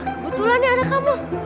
kebetulan nih ada kamu